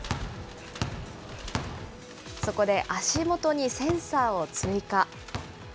そこで足元にセンサーを追加。